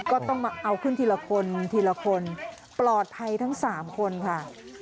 ก็ต้องมาเอาขึ้นทีละคนทีละคนปลอดภัยทั้ง๓คนค่ะ